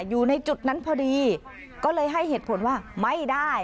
อยู่ในจุดนั้นพอดีก็เลยให้เหตุผลว่าไม่ได้